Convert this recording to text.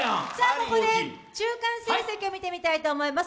ここで中間成績を見てみたいと思います。